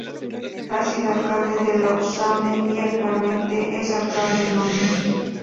Ha sido alcalde de Lousame y actualmente es alcalde de Noya.